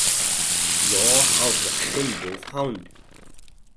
You're a Russian wolfhound.